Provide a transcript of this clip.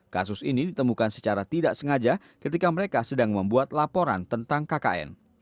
kasus ini ditemukan secara tidak sengaja ketika mereka sedang membuat laporan tentang kkn